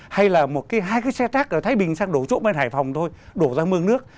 hay là hai cái xe trác ở thái bình sang đổ trộn bên hải phòng thôi đổ ra mương nước